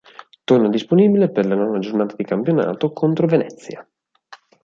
Torna disponibile per la nona giornata di campionato contro Venezia.